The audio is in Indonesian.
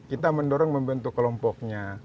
kita mendorong membentuk kelompoknya